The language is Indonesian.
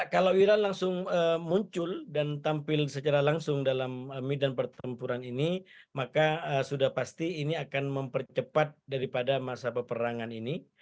kalau wira langsung muncul dan tampil secara langsung dalam medan pertempuran ini maka sudah pasti ini akan mempercepat daripada masa peperangan ini